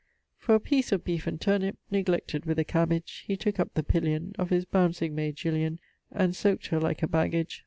For a piece of beef and turnip, Neglected, with a cabbage, He took up the pillion Of his bouncing mayd Jillian; And sowc't her like a baggage.